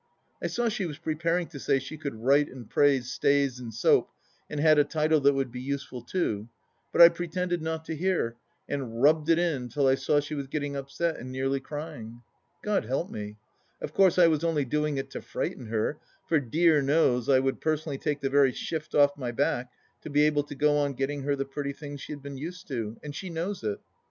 .,. I saw she was preparing to say she could write and praise stays and soap and had a title that would be useful too, but I pretended not to hear, and rubbed it in till I saw she was getting upset and nearly crjring. God help me 1 Of course I was only doing it to frighten her, for dear knows I would personally take the very shift off my back to be able to go on getting her the pretty things she has been used to, and she knows it.